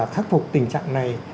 khắc phục tình trạng này